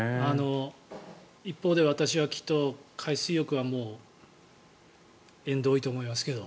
一方で私はきっと海水浴はもう縁遠いと思いますけど。